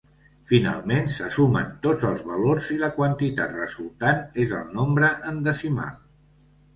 Finalment, se sumen tots els valors i la quantitat resultant és el nombre en decimal.